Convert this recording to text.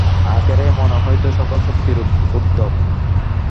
আখেরে মন হইতেই সকল শক্তির উদ্ভব।